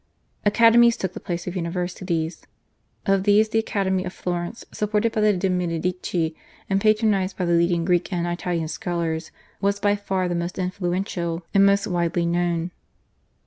Academies took the place of universities. Of these the academy of Florence, supported by the de' Medici and patronised by the leading Greek and Italian scholars, was by far the most influential and most widely known.